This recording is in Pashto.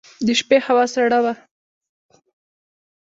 د شپې هوا سړه وه.